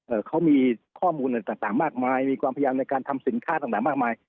เขามีข้อมูลอะไรต่างต่างมากมายมีความพยายามในการทำสินค้าต่างต่างมากมาย